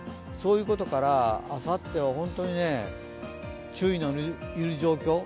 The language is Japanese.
そういうことから、あさっては本当に注意の要る状況。